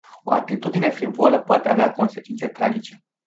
O atitudine frivolă poate avea consecințe tragice.